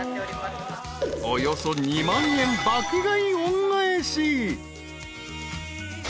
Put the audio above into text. ［およそ２万円爆買い恩返し］